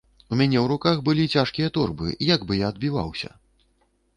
У мяне ў руках былі цяжкія торбы, як бы я адбіваўся?